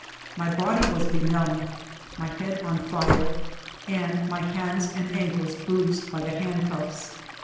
My body was benumbed, my head on fire, and my hands and ankles bruised by the handcuffs.